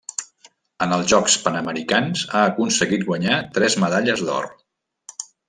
En els Jocs Panamericans ha aconseguit guanyar tres medalles d'or.